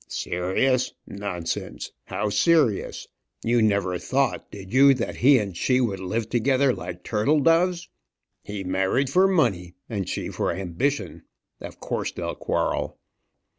"Serious; nonsense; how serious? You never thought, did you, that he and she would live together like turtle doves? He married for money, and she for ambition; of course they'll quarrel."